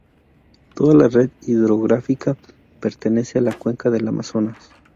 Toda la red hidrográfica pertenece a la cuenca del Amazonas.